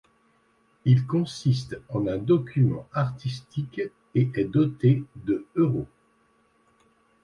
Il consiste en un document artistique et est doté de euros.